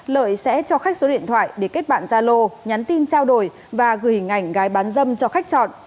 lợi sẽ cho khách số điện thoại để kết bạn gia lô nhắn tin trao đổi và gửi hình ảnh gái bán dâm cho khách chọn